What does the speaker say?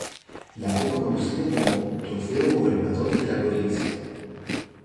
La copa conocida como "Trofeo Gobernador de la Provincia".